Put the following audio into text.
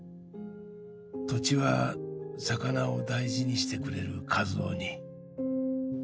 土地は魚を大事にしてくれる一魚に」